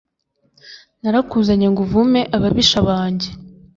narakuzanye ngo uvume ababisha banjye.